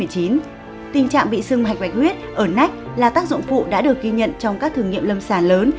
tình trạng bị sưng hạch bạch huyết ở nách là tác dụng phụ đã được ghi nhận trong các thử nghiệm lâm sàng lớn